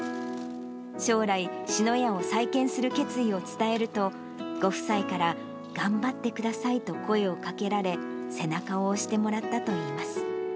将来、志のやを再建する決意を伝えると、ご夫妻から、頑張ってくださいと声をかけられ、背中を押してもらったといいます。